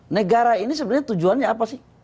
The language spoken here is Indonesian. negara ini sebenarnya tujuannya apa sih